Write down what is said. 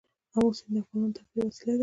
آمو سیند د افغانانو د تفریح یوه وسیله ده.